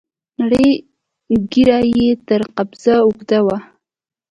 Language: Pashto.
نرۍ ږيره يې تر قبضه اوږده وه.